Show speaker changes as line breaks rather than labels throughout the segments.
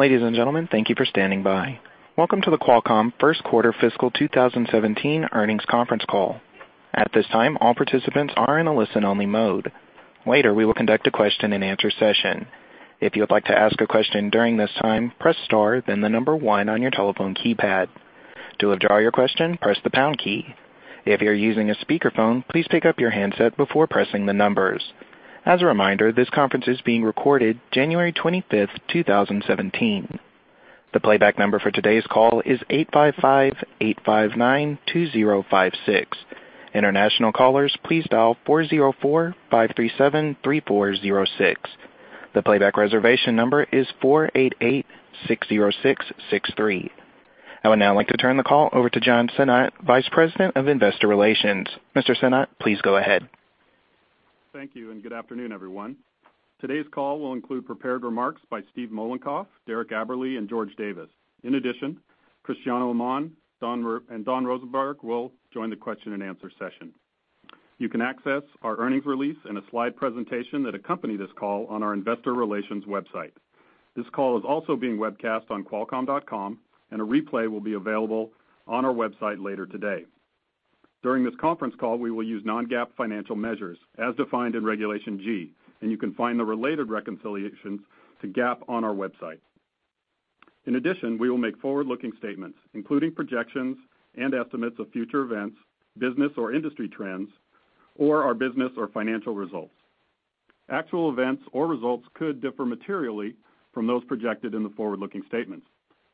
Ladies and gentlemen, thank you for standing by. Welcome to the Qualcomm First Quarter Fiscal 2017 Earnings Conference Call. At this time, all participants are in a listen-only mode. Later, we will conduct a question and answer session. If you would like to ask a question during this time, press star, then the number one on your telephone keypad. To withdraw your question, press the pound key. If you're using a speakerphone, please pick up your handset before pressing the numbers. As a reminder, this conference is being recorded January 25th, 2017. The playback number for today's call is 855-859-2056. International callers, please dial 404-537-3406. The playback reservation number is 488-606-63. I would now like to turn the call over to John Sinnott, Vice President of Investor Relations. Mr. Sinnott, please go ahead.
Thank you. Good afternoon, everyone. Today's call will include prepared remarks by Steve Mollenkopf, Derek Aberle, and George Davis. In addition, Cristiano Amon and Don Rosenberg will join the question and answer session. You can access our earnings release and a slide presentation that accompany this call on our investor relations website. This call is also being webcast on qualcomm.com, and a replay will be available on our website later today. During this conference call, we will use non-GAAP financial measures as defined in Regulation G, and you can find the related reconciliations to GAAP on our website. In addition, we will make forward-looking statements, including projections and estimates of future events, business or industry trends, or our business or financial results. Actual events or results could differ materially from those projected in the forward-looking statements.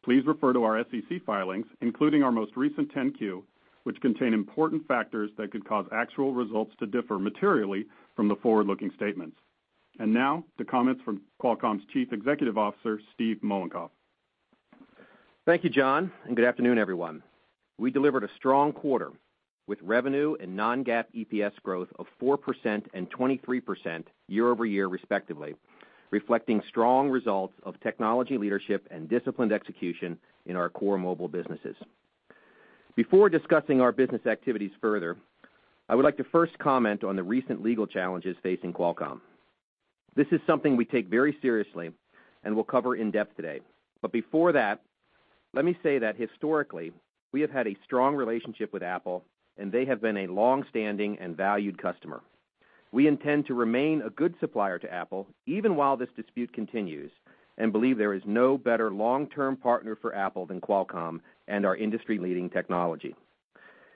Please refer to our SEC filings, including our most recent 10-Q, which contain important factors that could cause actual results to differ materially from the forward-looking statements. Now, to comments from Qualcomm's Chief Executive Officer, Steve Mollenkopf.
Thank you, John. Good afternoon, everyone. We delivered a strong quarter with revenue and non-GAAP EPS growth of 4% and 23% year-over-year respectively, reflecting strong results of technology leadership and disciplined execution in our core mobile businesses. Before discussing our business activities further, I would like to first comment on the recent legal challenges facing Qualcomm. This is something we take very seriously and will cover in depth today. Before that, let me say that historically, we have had a strong relationship with Apple, and they have been a long-standing and valued customer. We intend to remain a good supplier to Apple even while this dispute continues and believe there is no better long-term partner for Apple than Qualcomm and our industry-leading technology.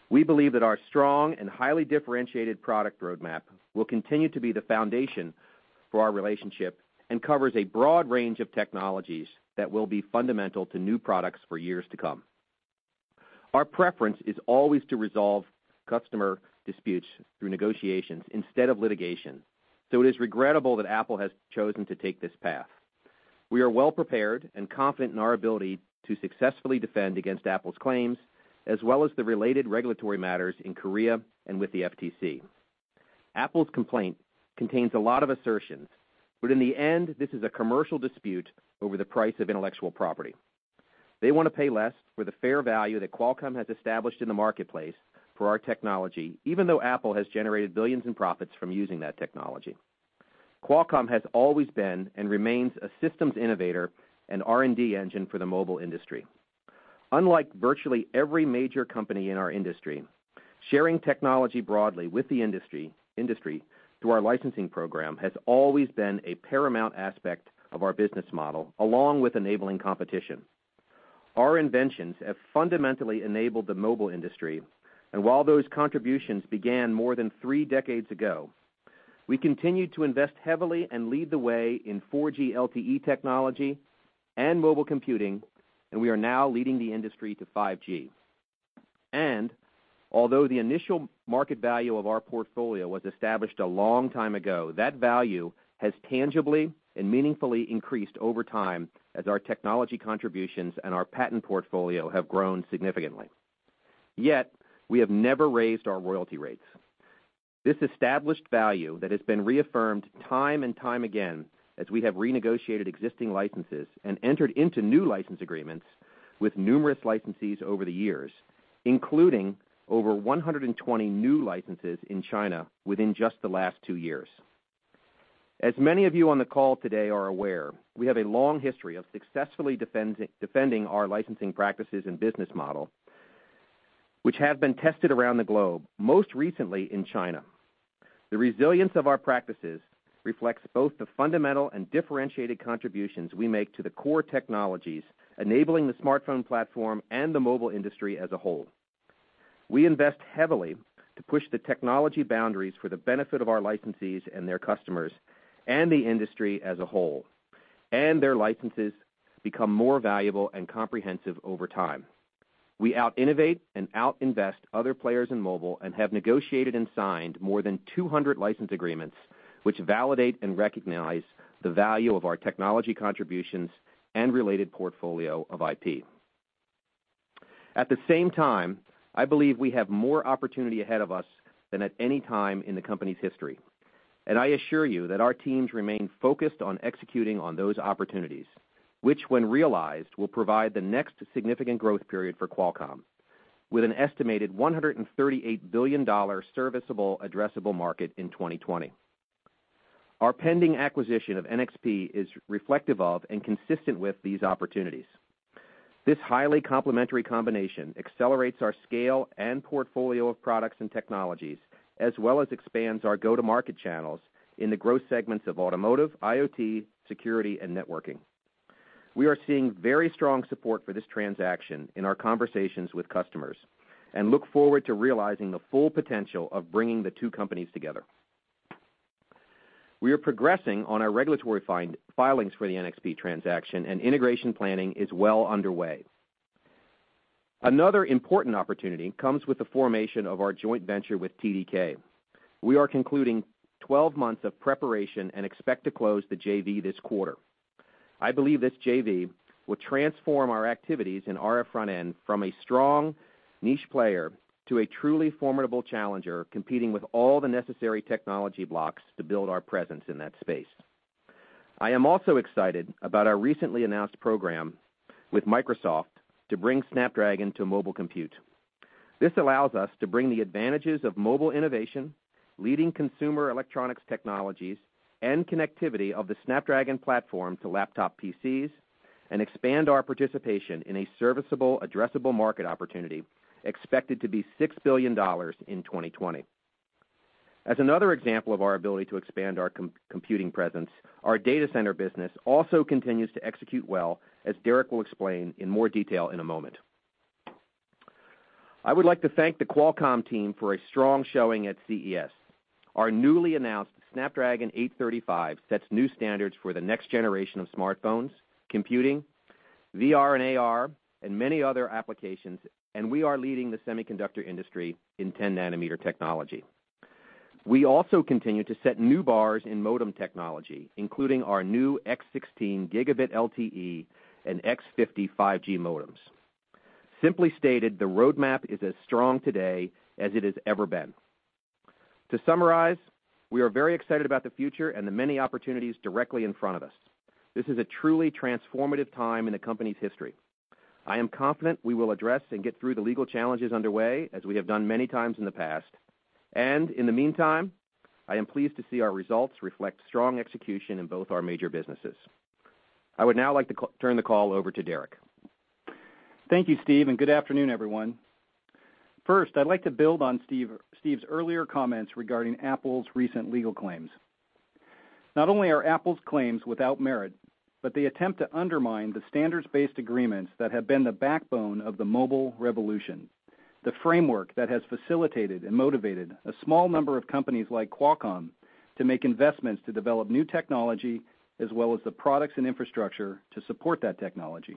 We believe that our strong and highly differentiated product roadmap will continue to be the foundation for our relationship and covers a broad range of technologies that will be fundamental to new products for years to come. Our preference is always to resolve customer disputes through negotiations instead of litigation. It is regrettable that Apple has chosen to take this path. We are well prepared and confident in our ability to successfully defend against Apple's claims, as well as the related regulatory matters in Korea and with the FTC. Apple's complaint contains a lot of assertions, but in the end, this is a commercial dispute over the price of intellectual property. They want to pay less for the fair value that Qualcomm has established in the marketplace for our technology, even though Apple has generated billions in profits from using that technology. Qualcomm has always been and remains a systems innovator and R&D engine for the mobile industry. Unlike virtually every major company in our industry, sharing technology broadly with the industry through our licensing program has always been a paramount aspect of our business model, along with enabling competition. Our inventions have fundamentally enabled the mobile industry. While those contributions began more than three decades ago, we continued to invest heavily and lead the way in 4G LTE technology and mobile computing. We are now leading the industry to 5G. Although the initial market value of our portfolio was established a long time ago, that value has tangibly and meaningfully increased over time as our technology contributions and our patent portfolio have grown significantly. Yet, we have never raised our royalty rates. This established value that has been reaffirmed time and time again as we have renegotiated existing licenses and entered into new license agreements with numerous licensees over the years, including over 120 new licenses in China within just the last two years. As many of you on the call today are aware, we have a long history of successfully defending our licensing practices and business model, which have been tested around the globe, most recently in China. The resilience of our practices reflects both the fundamental and differentiated contributions we make to the core technologies, enabling the smartphone platform and the mobile industry as a whole. We invest heavily to push the technology boundaries for the benefit of our licensees and their customers and the industry as a whole. Their licenses become more valuable and comprehensive over time. We out-innovate and out-invest other players in mobile and have negotiated and signed more than 200 license agreements, which validate and recognize the value of our technology contributions and related portfolio of IP. At the same time, I believe we have more opportunity ahead of us than at any time in the company's history. I assure you that our teams remain focused on executing on those opportunities, which when realized, will provide the next significant growth period for Qualcomm with an estimated $138 billion serviceable addressable market in 2020. Our pending acquisition of NXP is reflective of and consistent with these opportunities. This highly complementary combination accelerates our scale and portfolio of products and technologies, as well as expands our go-to-market channels in the growth segments of automotive, IoT, security, and networking. We are seeing very strong support for this transaction in our conversations with customers and look forward to realizing the full potential of bringing the two companies together. We are progressing on our regulatory filings for the NXP transaction, and integration planning is well underway. Another important opportunity comes with the formation of our joint venture with TDK. We are concluding 12 months of preparation and expect to close the JV this quarter. I believe this JV will transform our activities in RF front-end from a strong niche player to a truly formidable challenger, competing with all the necessary technology blocks to build our presence in that space. I am also excited about our recently announced program with Microsoft to bring Snapdragon to mobile compute. This allows us to bring the advantages of mobile innovation, leading consumer electronics technologies, and connectivity of the Snapdragon platform to laptop PCs and expand our participation in a serviceable addressable market opportunity expected to be $6 billion in 2020. As another example of our ability to expand our computing presence, our data center business also continues to execute well, as Derek will explain in more detail in a moment. I would like to thank the Qualcomm team for a strong showing at CES. Our newly announced Snapdragon 835 sets new standards for the next generation of smartphones, computing, VR and AR, and many other applications, and we are leading the semiconductor industry in 10 nanometer technology. We also continue to set new bars in modem technology, including our new X16 Gigabit LTE and X50 5G modems. Simply stated, the roadmap is as strong today as it has ever been. To summarize, we are very excited about the future and the many opportunities directly in front of us. This is a truly transformative time in the company's history. I am confident we will address and get through the legal challenges underway, as we have done many times in the past. In the meantime, I am pleased to see our results reflect strong execution in both our major businesses. I would now like to turn the call over to Derek.
Thank you, Steve, and good afternoon, everyone. First, I'd like to build on Steve's earlier comments regarding Apple's recent legal claims. Not only are Apple's claims without merit, but they attempt to undermine the standards-based agreements that have been the backbone of the mobile revolution, the framework that has facilitated and motivated a small number of companies like Qualcomm to make investments to develop new technology, as well as the products and infrastructure to support that technology.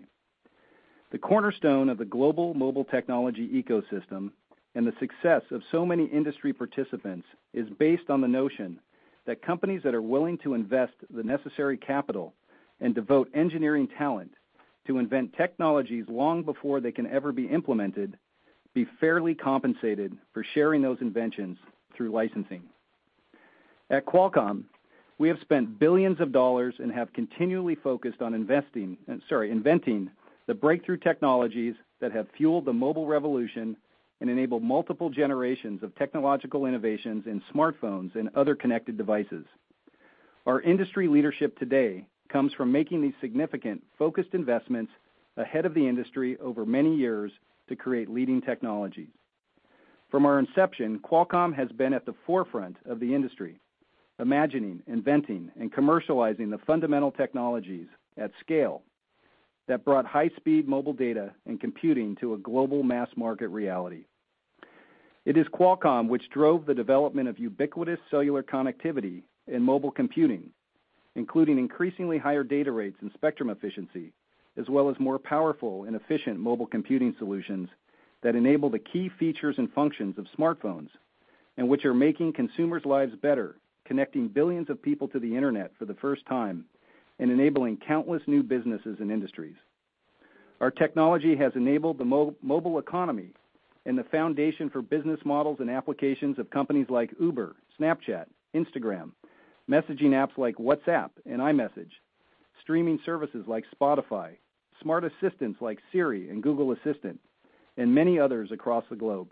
The cornerstone of the global mobile technology ecosystem and the success of so many industry participants is based on the notion that companies that are willing to invest the necessary capital and devote engineering talent to invent technologies long before they can ever be implemented be fairly compensated for sharing those inventions through licensing. At Qualcomm, we have spent billions of dollars and have continually focused on investing, sorry, inventing the breakthrough technologies that have fueled the mobile revolution and enabled multiple generations of technological innovations in smartphones and other connected devices. Our industry leadership today comes from making these significant, focused investments ahead of the industry over many years to create leading technologies. From our inception, Qualcomm has been at the forefront of the industry, imagining, inventing, and commercializing the fundamental technologies at scale that brought high-speed mobile data and computing to a global mass market reality. It is Qualcomm which drove the development of ubiquitous cellular connectivity in mobile computing, including increasingly higher data rates and spectrum efficiency, as well as more powerful and efficient mobile computing solutions that enable the key features and functions of smartphones and which are making consumers' lives better, connecting billions of people to the Internet for the first time and enabling countless new businesses and industries. Our technology has enabled the mobile economy and the foundation for business models and applications of companies like Uber, Snapchat, Instagram, messaging apps like WhatsApp and iMessage, streaming services like Spotify, smart assistants like Siri and Google Assistant, and many others across the globe.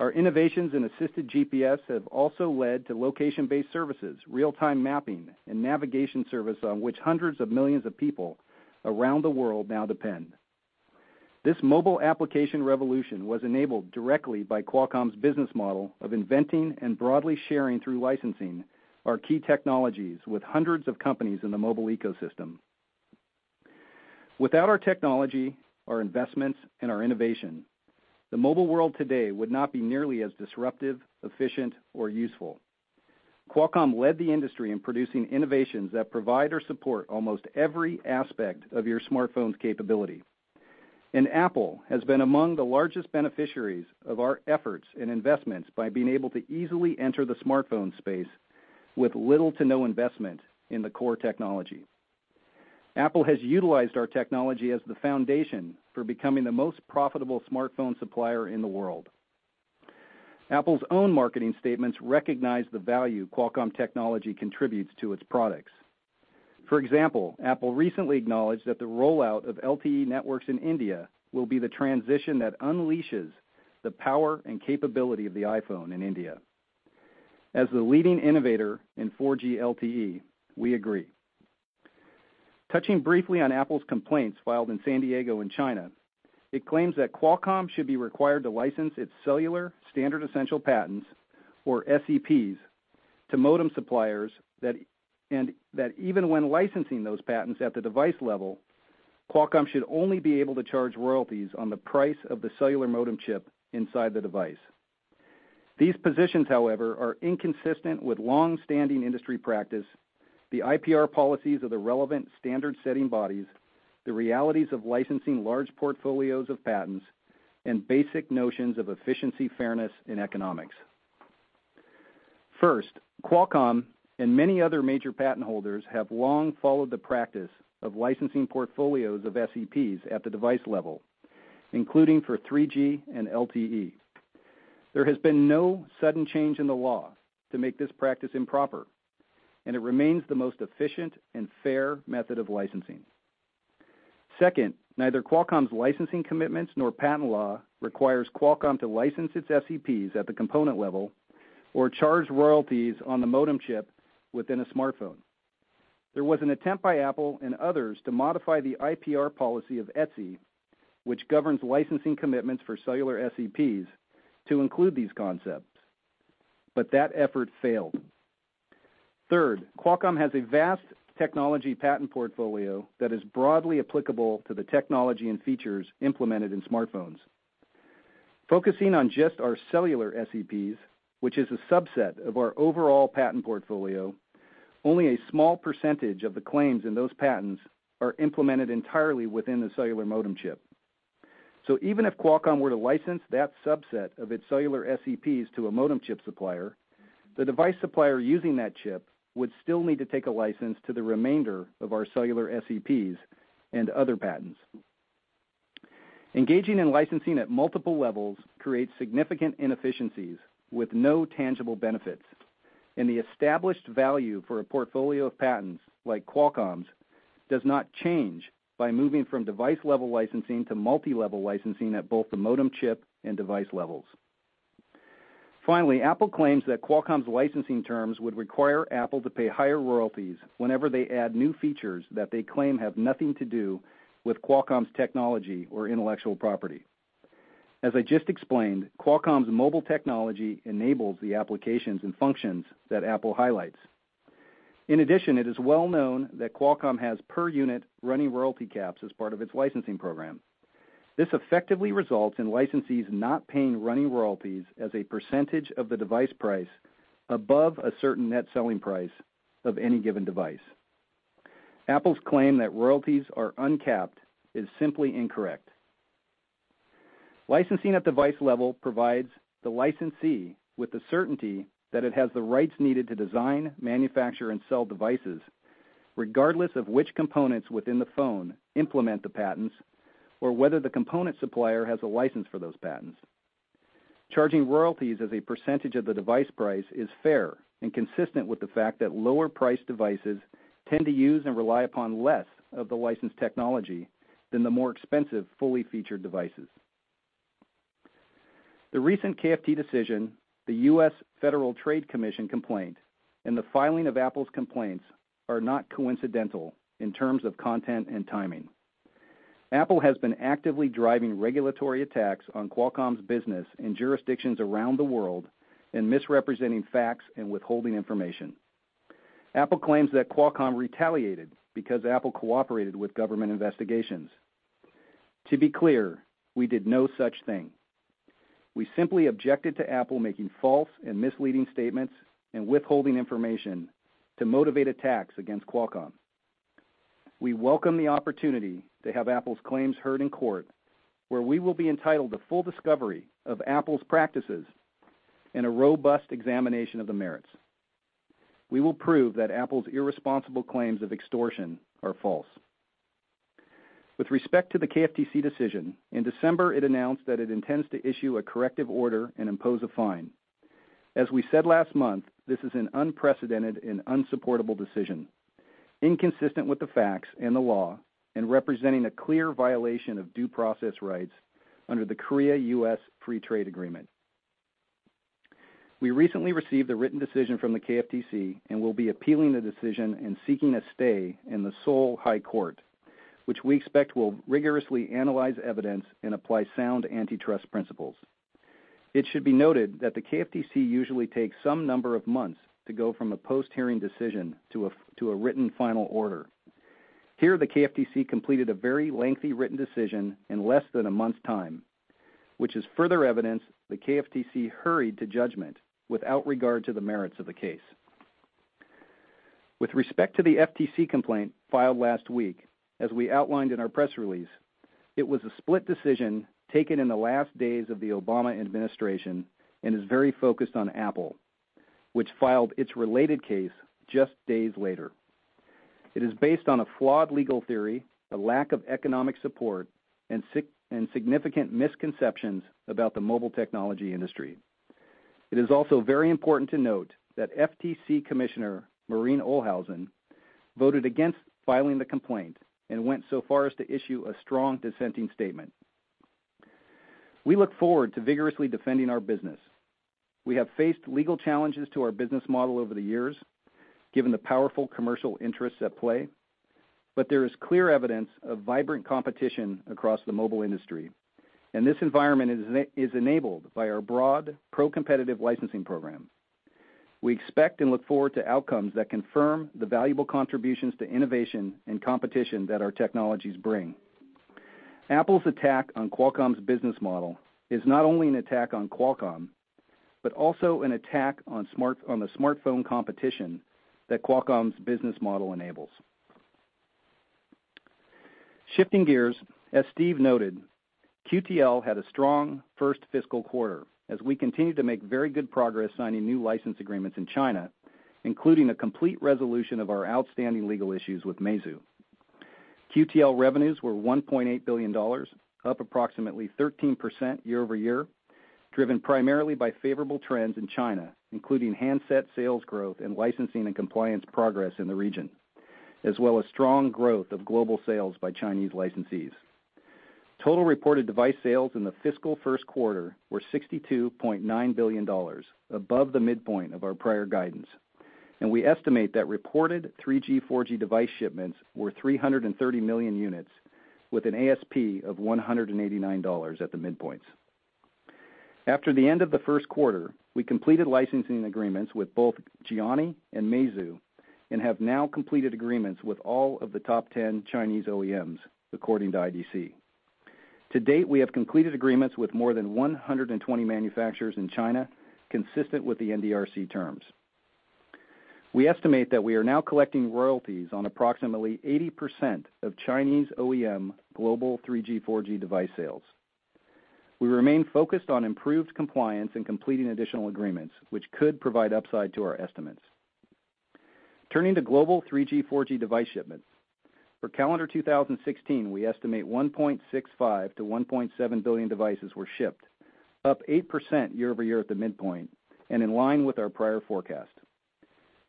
Our innovations in assisted GPS have also led to location-based services, real-time mapping, and navigation service on which hundreds of millions of people around the world now depend. This mobile application revolution was enabled directly by Qualcomm's business model of inventing and broadly sharing through licensing our key technologies with hundreds of companies in the mobile ecosystem. Without our technology, our investments, and our innovation, the mobile world today would not be nearly as disruptive, efficient, or useful. Qualcomm led the industry in producing innovations that provide or support almost every aspect of your smartphone's capability. Apple has been among the largest beneficiaries of our efforts and investments by being able to easily enter the smartphone space with little to no investment in the core technology. Apple has utilized our technology as the foundation for becoming the most profitable smartphone supplier in the world. Apple's own marketing statements recognize the value Qualcomm technology contributes to its products. For example, Apple recently acknowledged that the rollout of LTE networks in India will be the transition that unleashes the power and capability of the iPhone in India. As the leading innovator in 4G LTE, we agree. Touching briefly on Apple's complaints filed in San Diego and China, it claims that Qualcomm should be required to license its cellular standard essential patents, or SEPs, to modem suppliers, and that even when licensing those patents at the device level, Qualcomm should only be able to charge royalties on the price of the cellular modem chip inside the device. These positions, however, are inconsistent with longstanding industry practice, the IPR policies of the relevant standard-setting bodies, the realities of licensing large portfolios of patents, and basic notions of efficiency, fairness, and economics. First, Qualcomm and many other major patent holders have long followed the practice of licensing portfolios of SEPs at the device level, including for 3G and LTE. There has been no sudden change in the law to make this practice improper, and it remains the most efficient and fair method of licensing. Second, neither Qualcomm's licensing commitments nor patent law requires Qualcomm to license its SEPs at the component level or charge royalties on the modem chip within a smartphone. There was an attempt by Apple and others to modify the IPR policy of ETSI, which governs licensing commitments for cellular SEPs to include these concepts, but that effort failed. Third, Qualcomm has a vast technology patent portfolio that is broadly applicable to the technology and features implemented in smartphones. Focusing on just our cellular SEPs, which is a subset of our overall patent portfolio, only a small percentage of the claims in those patents are implemented entirely within the cellular modem chip. Even if Qualcomm were to license that subset of its cellular SEPs to a modem chip supplier, the device supplier using that chip would still need to take a license to the remainder of our cellular SEPs and other patents. Engaging in licensing at multiple levels creates significant inefficiencies with no tangible benefits, and the established value for a portfolio of patents like Qualcomm's does not change by moving from device-level licensing to multilevel licensing at both the modem chip and device levels. Finally, Apple claims that Qualcomm's licensing terms would require Apple to pay higher royalties whenever they add new features that they claim have nothing to do with Qualcomm's technology or intellectual property. As I just explained, Qualcomm's mobile technology enables the applications and functions that Apple highlights. In addition, it is well known that Qualcomm has per-unit running royalty caps as part of its licensing program. This effectively results in licensees not paying running royalties as a percentage of the device price above a certain net selling price of any given device. Apple's claim that royalties are uncapped is simply incorrect. Licensing at device level provides the licensee with the certainty that it has the rights needed to design, manufacture, and sell devices, regardless of which components within the phone implement the patents or whether the component supplier has a license for those patents. Charging royalties as a percentage of the device price is fair and consistent with the fact that lower-priced devices tend to use and rely upon less of the licensed technology than the more expensive, fully featured devices. The recent KFTC decision, the U.S. Federal Trade Commission complaint, and the filing of Apple's complaints are not coincidental in terms of content and timing. Apple has been actively driving regulatory attacks on Qualcomm's business in jurisdictions around the world and misrepresenting facts and withholding information. Apple claims that Qualcomm retaliated because Apple cooperated with government investigations. To be clear, we did no such thing. We simply objected to Apple making false and misleading statements and withholding information to motivate attacks against Qualcomm. We welcome the opportunity to have Apple's claims heard in court, where we will be entitled to full discovery of Apple's practices and a robust examination of the merits. We will prove that Apple's irresponsible claims of extortion are false. With respect to the KFTC decision, in December, it announced that it intends to issue a corrective order and impose a fine. As we said last month, this is an unprecedented and unsupportable decision, inconsistent with the facts and the law, and representing a clear violation of due process rights under the Korea-U.S. Free Trade Agreement. We recently received a written decision from the KFTC and will be appealing the decision and seeking a stay in the Seoul High Court, which we expect will rigorously analyze evidence and apply sound antitrust principles. It should be noted that the KFTC usually takes some number of months to go from a post-hearing decision to a written final order. Here, the KFTC completed a very lengthy written decision in less than a month's time, which is further evidence the KFTC hurried to judgment without regard to the merits of the case. With respect to the FTC complaint filed last week, as we outlined in our press release, it was a split decision taken in the last days of the Obama administration and is very focused on Apple, which filed its related case just days later. It is based on a flawed legal theory, a lack of economic support, and significant misconceptions about the mobile technology industry. It is also very important to note that FTC Commissioner Maureen Ohlhausen voted against filing the complaint and went so far as to issue a strong dissenting statement. We look forward to vigorously defending our business. We have faced legal challenges to our business model over the years, given the powerful commercial interests at play, but there is clear evidence of vibrant competition across the mobile industry, and this environment is enabled by our broad pro-competitive licensing program. We expect and look forward to outcomes that confirm the valuable contributions to innovation and competition that our technologies bring. Apple's attack on Qualcomm's business model is not only an attack on Qualcomm, but also an attack on the smartphone competition that Qualcomm's business model enables. Shifting gears, as Steve noted, QTL had a strong first fiscal quarter as we continued to make very good progress signing new license agreements in China, including a complete resolution of our outstanding legal issues with Meizu. QTL revenues were $1.8 billion, up approximately 13% year-over-year, driven primarily by favorable trends in China, including handset sales growth and licensing and compliance progress in the region, as well as strong growth of global sales by Chinese licensees. Total reported device sales in the fiscal first quarter were $62.9 billion, above the midpoint of our prior guidance. We estimate that reported 3G, 4G device shipments were 330 million units with an ASP of $189 at the midpoints. After the end of the first quarter, we completed licensing agreements with both Gionee and Meizu and have now completed agreements with all of the top 10 Chinese OEMs, according to IDC. To date, we have completed agreements with more than 120 manufacturers in China, consistent with the NDRC terms. We estimate that we are now collecting royalties on approximately 80% of Chinese OEM global 3G, 4G device sales. We remain focused on improved compliance and completing additional agreements, which could provide upside to our estimates. Turning to global 3G, 4G device shipments. For calendar 2016, we estimate 1.65 billion to 1.7 billion devices were shipped, up 8% year-over-year at the midpoint and in line with our prior forecast.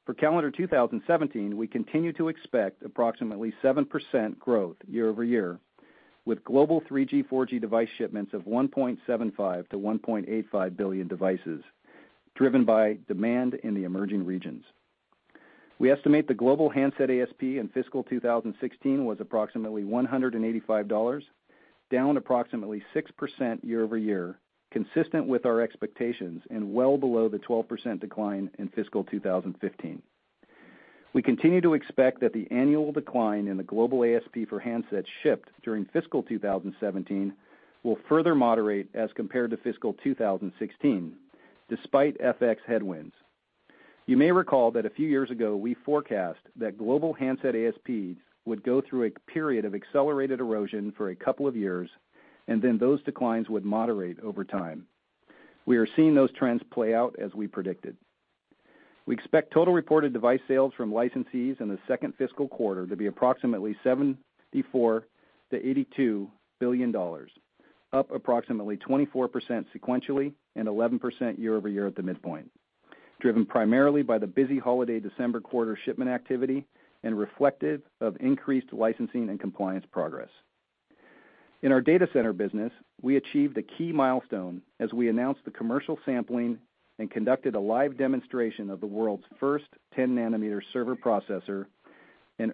For calendar 2017, we continue to expect approximately 7% growth year-over-year, with global 3G, 4G device shipments of 1.75 to 1.85 billion devices, driven by demand in the emerging regions. We estimate the global handset ASP in fiscal 2016 was approximately $185, down approximately 6% year-over-year, consistent with our expectations and well below the 12% decline in fiscal 2015. We continue to expect that the annual decline in the global ASP for handsets shipped during fiscal 2017 will further moderate as compared to fiscal 2016, despite FX headwinds. You may recall that a few years ago, we forecast that global handset ASP would go through a period of accelerated erosion for a couple of years, then those declines would moderate over time. We are seeing those trends play out as we predicted. We expect total reported device sales from licensees in the second fiscal quarter to be approximately $74 billion-$82 billion, up approximately 24% sequentially and 11% year-over-year at the midpoint, driven primarily by the busy holiday December quarter shipment activity and reflective of increased licensing and compliance progress. In our data center business, we achieved a key milestone as we announced the commercial sampling and conducted a live demonstration of the world's first 10-nanometer server processor.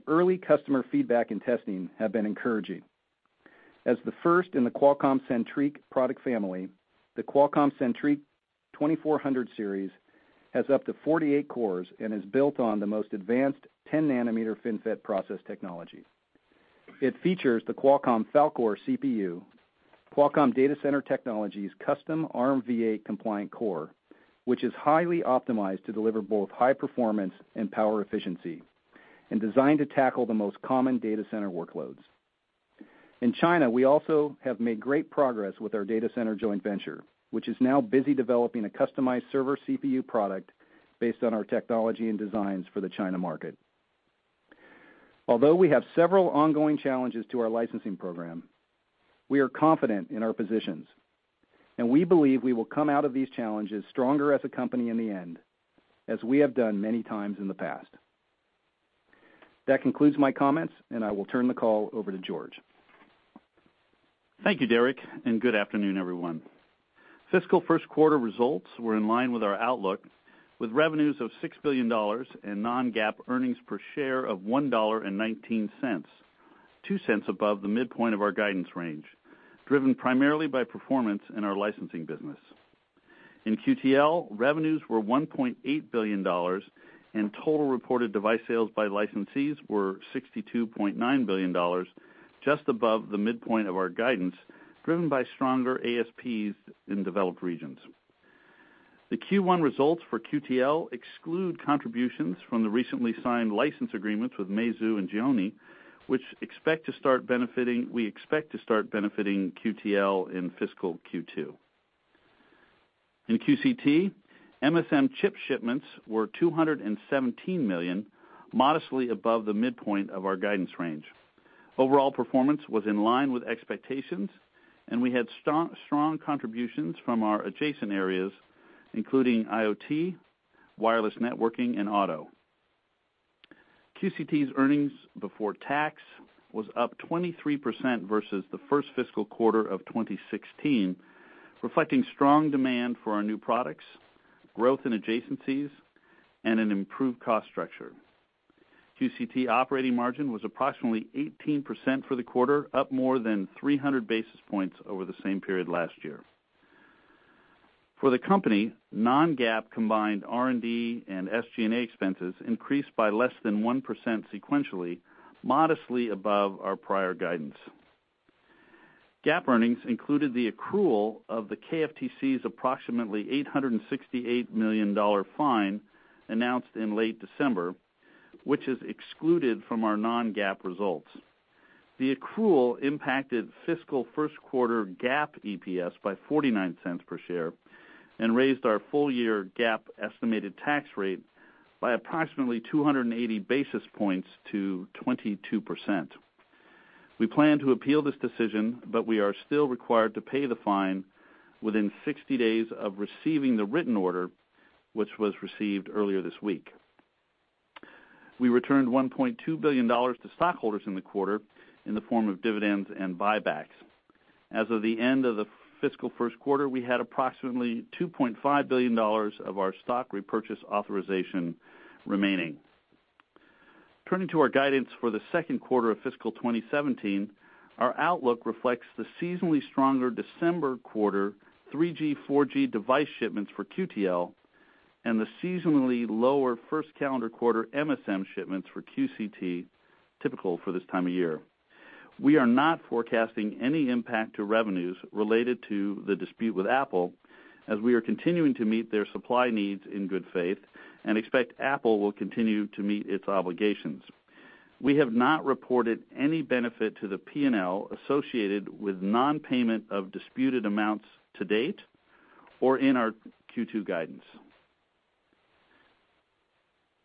Early customer feedback and testing have been encouraging. As the first in the Qualcomm Centriq product family, the Qualcomm Centriq 2400 series has up to 48 cores and is built on the most advanced 10-nanometer FinFET process technology. It features the Qualcomm Kryo CPU, Qualcomm data center technologies custom ARMv8 compliant core, which is highly optimized to deliver both high performance and power efficiency and designed to tackle the most common data center workloads. In China, we also have made great progress with our data center joint venture, which is now busy developing a customized server CPU product based on our technology and designs for the China market. Although we have several ongoing challenges to our licensing program, we are confident in our positions. We believe we will come out of these challenges stronger as a company in the end, as we have done many times in the past. That concludes my comments. I will turn the call over to George.
Thank you, Derek. Good afternoon, everyone. Fiscal first quarter results were in line with our outlook, with revenues of $6 billion and non-GAAP earnings per share of $1.19, $0.02 above the midpoint of our guidance range, driven primarily by performance in our licensing business. In QTL, revenues were $1.8 billion. Total reported device sales by licensees were $62.9 billion, just above the midpoint of our guidance, driven by stronger ASPs in developed regions. The Q1 results for QTL exclude contributions from the recently signed license agreements with Meizu and Gionee, which we expect to start benefiting QTL in fiscal Q2. In QCT, MSM chip shipments were 217 million, modestly above the midpoint of our guidance range. Overall performance was in line with expectations. We had strong contributions from our adjacent areas, including IoT, wireless networking, and auto. QCT's earnings before tax was up 23% versus the first fiscal quarter of 2016, reflecting strong demand for our new products, growth in adjacencies, and an improved cost structure. QCT operating margin was approximately 18% for the quarter, up more than 300 basis points over the same period last year. For the company, non-GAAP combined R&D and SG&A expenses increased by less than 1% sequentially, modestly above our prior guidance. GAAP earnings included the accrual of the KFTC's approximately $868 million fine announced in late December, which is excluded from our non-GAAP results. The accrual impacted fiscal first quarter GAAP EPS by $0.49 per share and raised our full year GAAP estimated tax rate by approximately 280 basis points to 22%. We plan to appeal this decision. We are still required to pay the fine within 60 days of receiving the written order, which was received earlier this week. We returned $1.2 billion to stockholders in the quarter in the form of dividends and buybacks. As of the end of the fiscal first quarter, we had approximately $2.5 billion of our stock repurchase authorization remaining. Turning to our guidance for the second quarter of fiscal 2017, our outlook reflects the seasonally stronger December quarter 3G, 4G device shipments for QTL and the seasonally lower first calendar quarter MSM shipments for QCT, typical for this time of year. We are not forecasting any impact to revenues related to the dispute with Apple, as we are continuing to meet their supply needs in good faith and expect Apple will continue to meet its obligations. We have not reported any benefit to the P&L associated with non-payment of disputed amounts to date or in our Q2 guidance.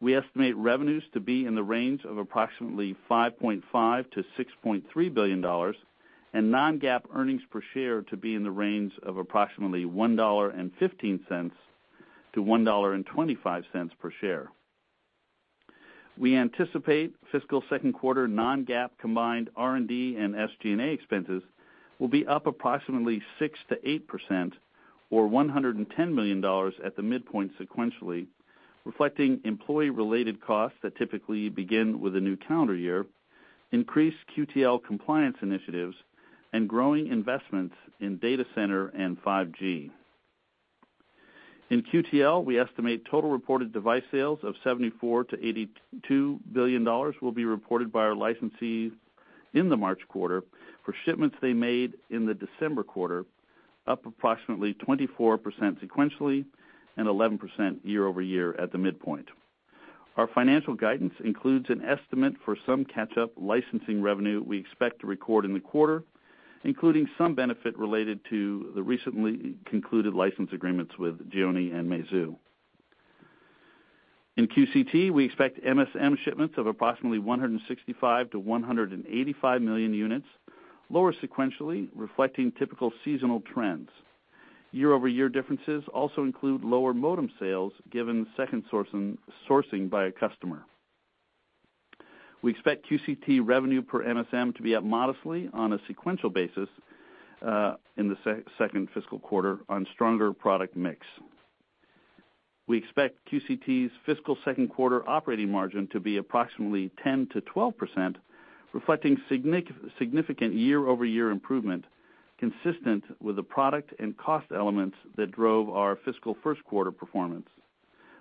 We estimate revenues to be in the range of approximately $5.5 billion-$6.3 billion and non-GAAP earnings per share to be in the range of approximately $1.15-$1.25 per share. We anticipate fiscal second quarter non-GAAP combined R&D and SG&A expenses will be up approximately 6%-8%, or $110 million at the midpoint sequentially, reflecting employee-related costs that typically begin with a new calendar year, increased QTL compliance initiatives, and growing investments in data center and 5G. In QTL, we estimate total reported device sales of $74 billion-$82 billion will be reported by our licensees in the March quarter for shipments they made in the December quarter, up approximately 24% sequentially and 11% year-over-year at the midpoint. Our financial guidance includes an estimate for some catch-up licensing revenue we expect to record in the quarter, including some benefit related to the recently concluded license agreements with Gionee and Meizu. In QCT, we expect MSM shipments of approximately 165 million-185 million units, lower sequentially, reflecting typical seasonal trends. Year-over-year differences also include lower modem sales given second sourcing by a customer. We expect QCT revenue per MSM to be up modestly on a sequential basis, in the second fiscal quarter on stronger product mix. We expect QCT's fiscal second quarter operating margin to be approximately 10%-12%, reflecting significant year-over-year improvement consistent with the product and cost elements that drove our fiscal first quarter performance,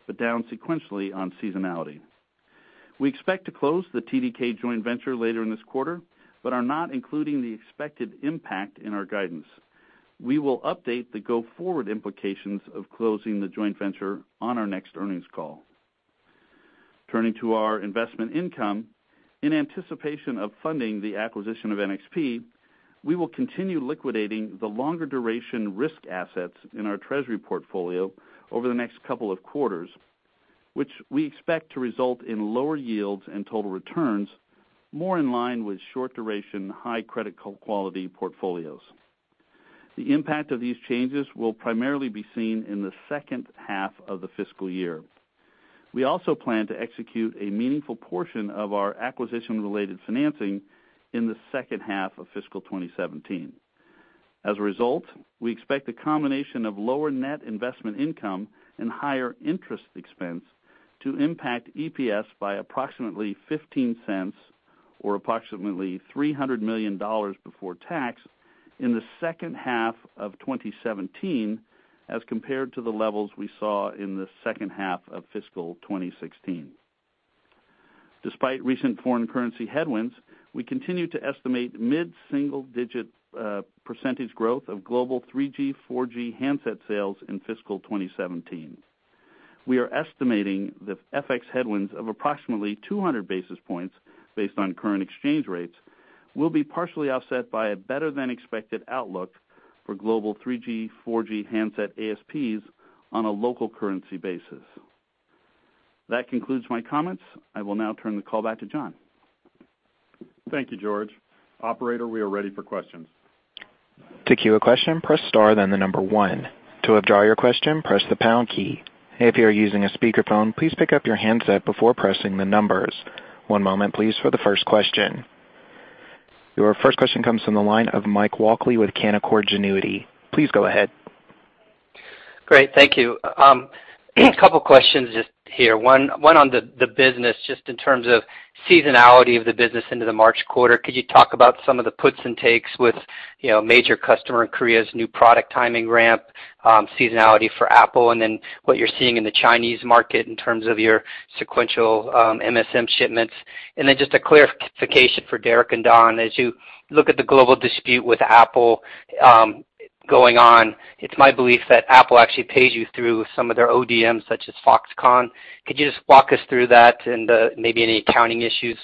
but down sequentially on seasonality. We expect to close the TDK joint venture later in this quarter. We are not including the expected impact in our guidance. We will update the go-forward implications of closing the joint venture on our next earnings call. Turning to our investment income, in anticipation of funding the acquisition of NXP, we will continue liquidating the longer duration risk assets in our treasury portfolio over the next couple of quarters, which we expect to result in lower yields and total returns, more in line with short duration, high credit quality portfolios. The impact of these changes will primarily be seen in the second half of the fiscal year. We also plan to execute a meaningful portion of our acquisition-related financing in the second half of fiscal 2017. We expect the combination of lower net investment income and higher interest expense to impact EPS by approximately $0.15 or approximately $300 million before tax in the second half of 2017 as compared to the levels we saw in the second half of fiscal 2016. Despite recent foreign currency headwinds, we continue to estimate mid-single-digit % growth of global 3G, 4G handset sales in fiscal 2017. We are estimating the FX headwinds of approximately 200 basis points, based on current exchange rates, will be partially offset by a better-than-expected outlook for global 3G, 4G handset ASPs on a local currency basis. That concludes my comments. I will now turn the call back to John.
Thank you, George. Operator, we are ready for questions.
To queue a question, press star then the number one. To withdraw your question, press the pound key. If you are using a speakerphone, please pick up your handset before pressing the numbers. One moment, please, for the first question. Your first question comes from the line of Mike Walkley with Canaccord Genuity. Please go ahead.
Great. Thank you. A couple questions just here. One on the business, just in terms of seasonality of the business into the March quarter, could you talk about some of the puts and takes with major customer in Korea's new product timing ramp, seasonality for Apple, and then what you're seeing in the Chinese market in terms of your sequential MSM shipments? Just a clarification for Derek and Don. As you look at the global dispute with Apple going on, it's my belief that Apple actually pays you through some of their ODMs such as Foxconn. Could you just walk us through that and maybe any accounting issues,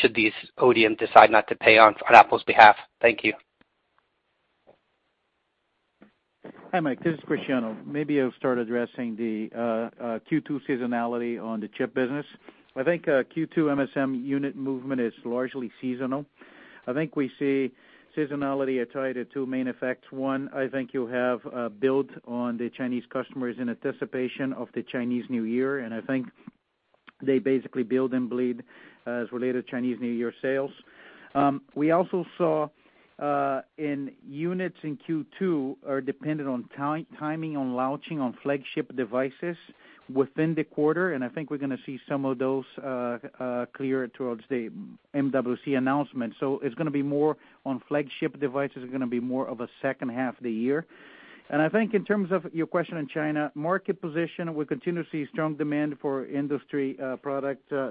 should these ODMs decide not to pay on Apple's behalf? Thank you.
Hi, Mike. This is Cristiano. Maybe I'll start addressing the Q2 seasonality on the chip business. I think Q2 MSM unit movement is largely seasonal. I think we see seasonality tied to two main effects. One, I think you have a build on the Chinese customers in anticipation of the Chinese New Year. I think they basically build and bleed as related Chinese New Year sales. We also saw in units in Q2 are dependent on timing on launching on flagship devices within the quarter. I think we're going to see some of those clear towards the MWC announcement. It's going to be more on flagship devices, it's going to be more of a second half of the year. I think in terms of your question on China, market position, we continue to see strong demand for industry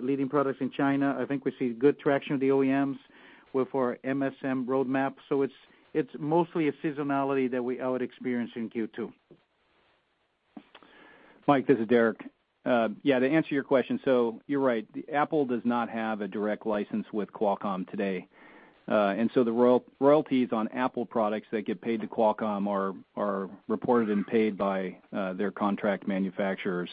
leading products in China. I think we see good traction with the OEMs for MSM roadmap. It's mostly a seasonality that we would experience in Q2.
Mike, this is Derek. To answer your question, you're right. Apple does not have a direct license with Qualcomm today. The royalties on Apple products that get paid to Qualcomm are reported and paid by their contract manufacturers.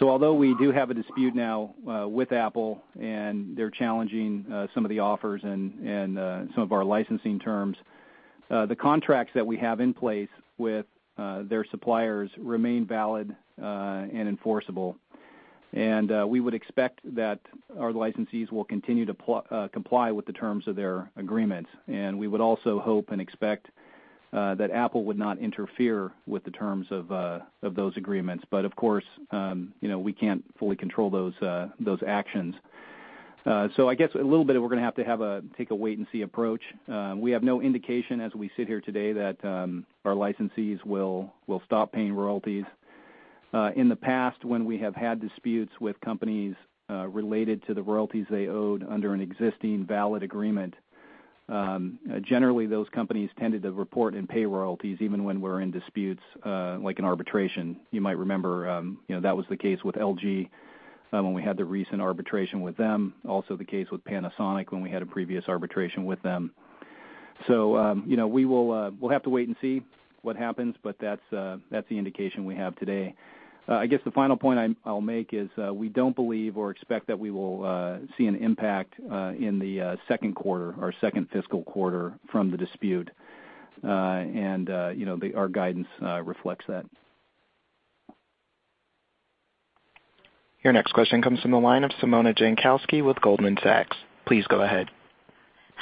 Although we do have a dispute now with Apple and they're challenging some of the offers and some of our licensing terms, the contracts that we have in place with their suppliers remain valid and enforceable. We would expect that our licensees will continue to comply with the terms of their agreements. We would also hope and expect that Apple would not interfere with the terms of those agreements. Of course, we can't fully control those actions. I guess a little bit, we're going to have to take a wait and see approach. We have no indication as we sit here today that our licensees will stop paying royalties. In the past, when we have had disputes with companies related to the royalties they owed under an existing valid agreement, generally those companies tended to report and pay royalties even when we're in disputes like an arbitration. You might remember, that was the case with LG when we had the recent arbitration with them, also the case with Panasonic when we had a previous arbitration with them. We'll have to wait and see what happens, but that's the indication we have today. I guess the final point I'll make is, we don't believe or expect that we will see an impact in the second quarter or second fiscal quarter from the dispute. Our guidance reflects that.
Your next question comes from the line of Simona Jankowski with Goldman Sachs. Please go ahead.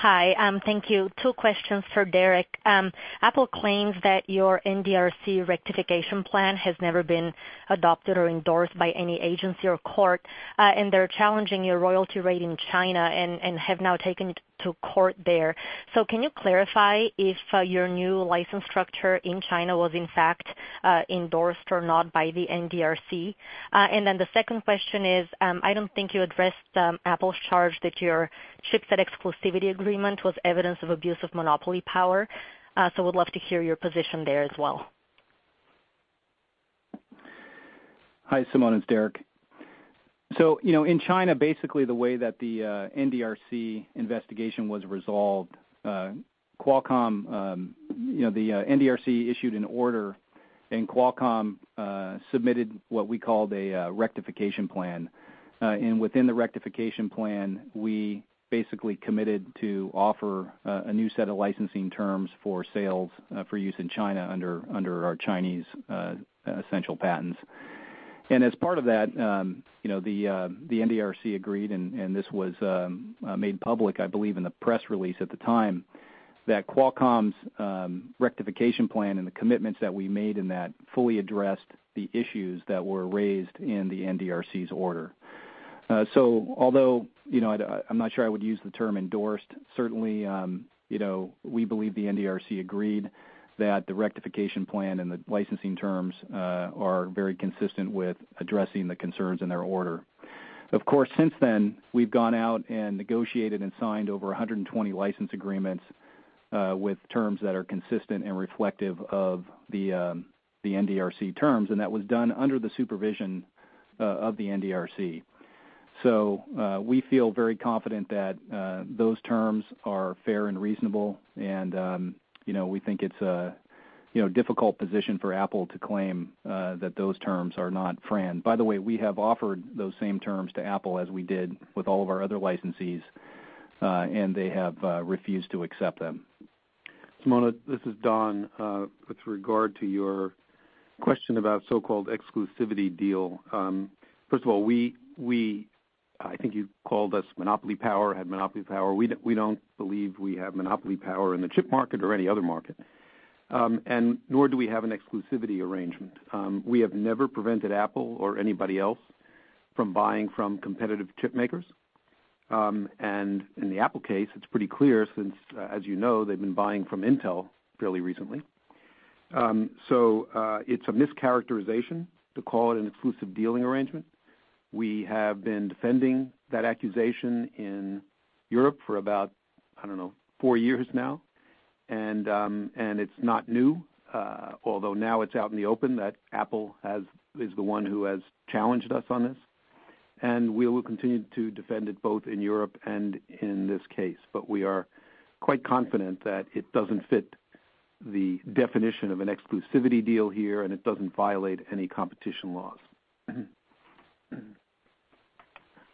Hi. Thank you. Two questions for Derek. Apple claims that your NDRC rectification plan has never been adopted or endorsed by any agency or court, and they're challenging your royalty rate in China and have now taken it to court there. Can you clarify if your new license structure in China was in fact endorsed or not by the NDRC? The second question is, I don't think you addressed Apple's charge that your chipset exclusivity agreement was evidence of abuse of monopoly power. Would love to hear your position there as well.
Hi, Simona, it's Derek. In China, basically the way that the NDRC investigation was resolved, the NDRC issued an order and Qualcomm submitted what we called a rectification plan. Within the rectification plan, we basically committed to offer a new set of licensing terms for sales for use in China under our Chinese essential patents. As part of that, the NDRC agreed, and this was made public, I believe, in the press release at the time, that Qualcomm's rectification plan and the commitments that we made in that fully addressed the issues that were raised in the NDRC's order. Although, I'm not sure I would use the term endorsed, certainly, we believe the NDRC agreed that the rectification plan and the licensing terms are very consistent with addressing the concerns in their order. Of course, since then, we've gone out and negotiated and signed over 120 license agreements with terms that are consistent and reflective of the NDRC terms, and that was done under the supervision of the NDRC. We feel very confident that those terms are fair and reasonable and we think it's a difficult position for Apple to claim that those terms are not FRAND. By the way, we have offered those same terms to Apple as we did with all of our other licensees, and they have refused to accept them.
Simona, this is Don. With regard to your question about so-called exclusivity deal. First of all, I think you called us monopoly power, had monopoly power. We don't believe we have monopoly power in the chip market or any other market. Nor do we have an exclusivity arrangement. We have never prevented Apple or anybody else from buying from competitive chip makers. In the Apple case, it's pretty clear since, as you know, they've been buying from Intel fairly recently. It's a mischaracterization to call it an exclusive dealing arrangement. We have been defending that accusation in Europe for about, I don't know, four years now, and it's not new. Now it's out in the open that Apple is the one who has challenged us on this, and we will continue to defend it both in Europe and in this case. We are quite confident that it doesn't fit the definition of an exclusivity deal here, and it doesn't violate any competition laws.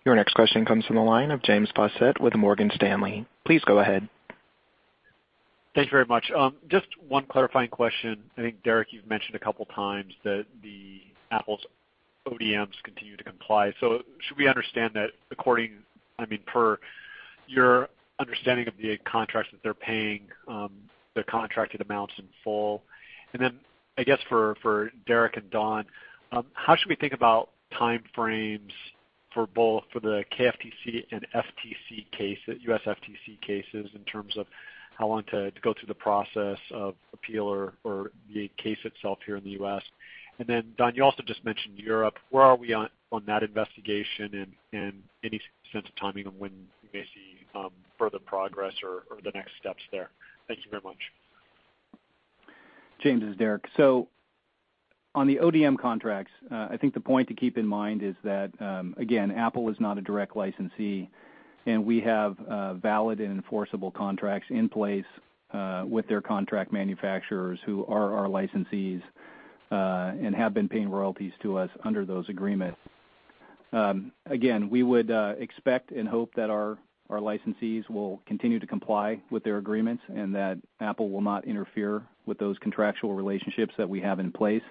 Your next question comes from the line of James Faucette with Morgan Stanley. Please go ahead.
Thanks very much. Just one clarifying question. I think, Derek, you've mentioned a couple of times that Apple's ODMs continue to comply. Should we understand that per your understanding of the contracts, that they're paying their contracted amounts in full? I guess, for Derek and Don, how should we think about time frames for both, for the KFTC and FTC case, the U.S. FTC cases, in terms of how long to go through the process of appeal or the case itself here in the U.S.? Don, you also just mentioned Europe. Where are we on that investigation and any sense of timing on when we may see further progress or the next steps there? Thank you very much.
James, this is Derek. On the ODM contracts, I think the point to keep in mind is that, again, Apple is not a direct licensee, and we have valid and enforceable contracts in place with their contract manufacturers who are our licensees, and have been paying royalties to us under those agreements. Again, we would expect and hope that our licensees will continue to comply with their agreements and that Apple will not interfere with those contractual relationships that we have in place.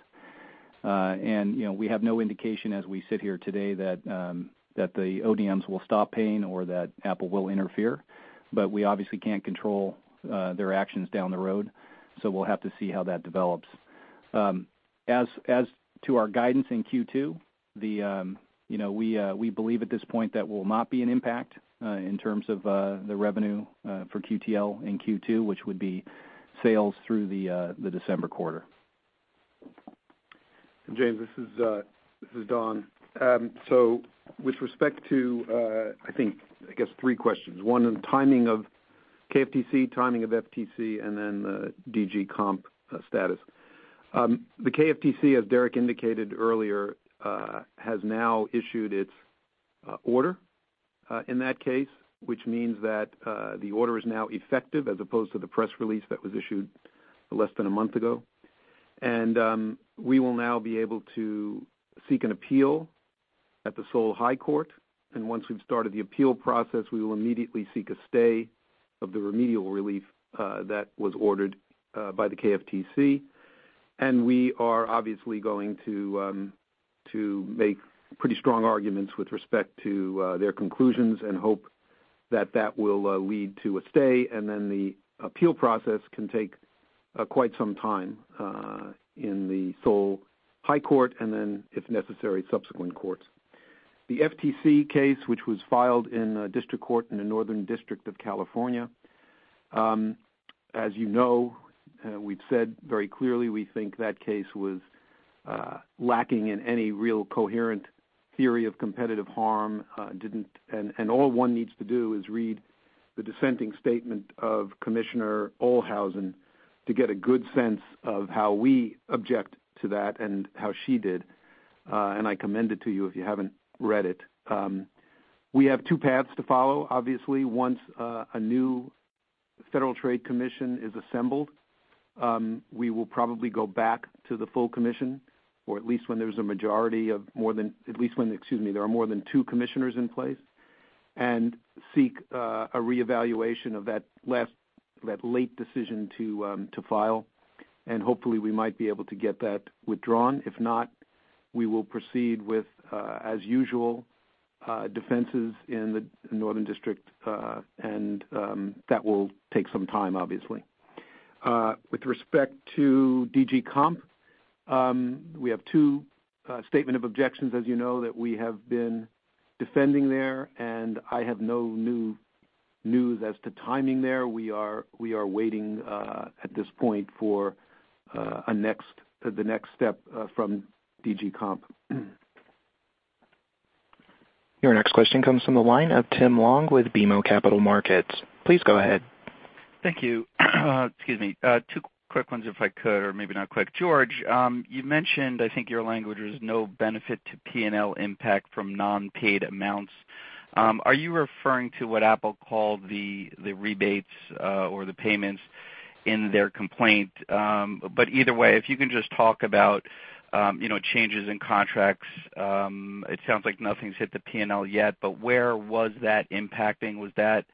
We have no indication as we sit here today that the ODMs will stop paying or that Apple will interfere, we obviously can't control their actions down the road, we'll have to see how that develops. As to our guidance in Q2, we believe at this point that will not be an impact in terms of the revenue for QTL in Q2, which would be sales through the December quarter.
James, this is Don. With respect to three questions. One on timing of KFTC, timing of FTC, and the DG Comp status. The KFTC, as Derek indicated earlier, has now issued its order in that case, which means that the order is now effective as opposed to the press release that was issued less than a month ago. We will now be able to seek an appeal at the Seoul High Court. Once we've started the appeal process, we will immediately seek a stay of the remedial relief that was ordered by the KFTC. We are obviously going to make pretty strong arguments with respect to their conclusions and hope that that will lead to a stay. The appeal process can take quite some time, in the Seoul High Court, and, if necessary, subsequent courts. The FTC case, which was filed in a district court in the Northern District of California. As you know, we've said very clearly we think that case was lacking in any real coherent theory of competitive harm. All one needs to do is read the dissenting statement of Commissioner Ohlhausen to get a good sense of how we object to that and how she did. I commend it to you if you haven't read it. We have two paths to follow. Obviously, once a new Federal Trade Commission is assembled, we will probably go back to the full commission, or at least when there are more than two commissioners in place, and seek a reevaluation of that late decision to file. Hopefully, we might be able to get that withdrawn. If not, we will proceed with, as usual, defenses in the Northern District. That will take some time, obviously. With respect to DG Comp, we have two statement of objections, as you know, that we have been defending there. I have no new news as to timing there. We are waiting, at this point, for the next step from DG Comp.
Your next question comes from the line of Tim Long with BMO Capital Markets. Please go ahead.
Thank you. Excuse me. Two quick ones if I could, or maybe not quick. George, you mentioned, I think your language was no benefit to P&L impact from non-paid amounts. Are you referring to what Apple called the rebates or the payments in their complaint? Either way, if you can just talk about changes in contracts. It sounds like nothing's hit the P&L yet, but where was that impacting? Was that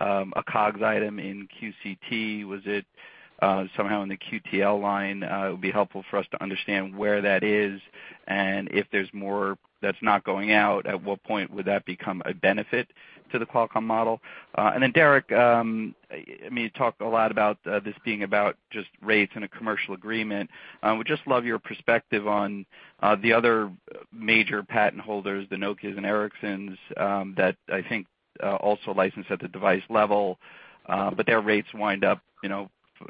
a COGS item in QCT? Was it somehow in the QTL line? It would be helpful for us to understand where that is and if there's more that's not going out, at what point would that become a benefit to the Qualcomm model? Derek, you talked a lot about this being about just rates and a commercial agreement. Would just love your perspective on the other major patent holders, the Nokias and Ericssons, that I think also license at the device level, but their rates wind up,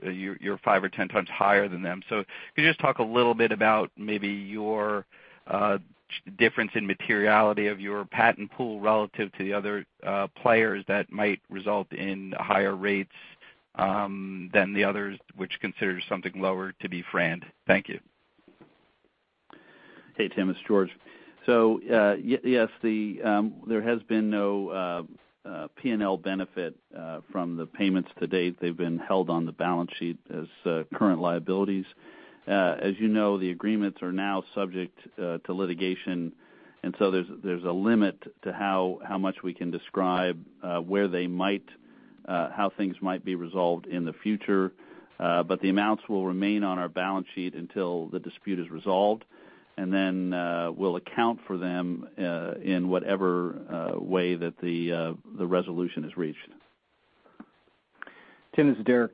you're five or 10 times higher than them. If you could just talk a little bit about maybe your difference in materiality of your patent pool relative to the other players that might result in higher rates than the others, which considers something lower to be FRAND. Thank you.
Hey, Tim. It's George. Yes, there has been no P&L benefit from the payments to date. They've been held on the balance sheet as current liabilities. As you know, the agreements are now subject to litigation, there's a limit to how much we can describe how things might be resolved in the future. The amounts will remain on our balance sheet until the dispute is resolved, then we'll account for them in whatever way that the resolution is reached.
Tim, this is Derek.